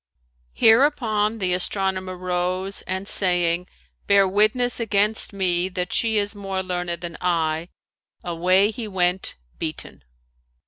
Hereupon the astronomer rose, and saying, "Bear witness against me that she is more learned than I," away he went beaten.